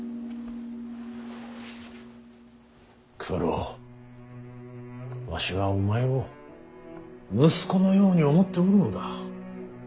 九郎わしはお前を息子のように思っておるのだ。